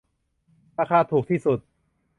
ราคาถูกที่สุด